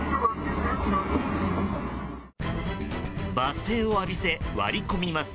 罵声を浴びせ、割り込みます。